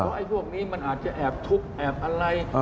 ไอ้พวกนี้มันอาจจะแอบทุกข์แอบอะไร